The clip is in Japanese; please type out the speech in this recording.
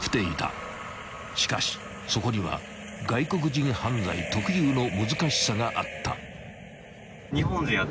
［しかしそこには外国人犯罪特有の難しさがあった］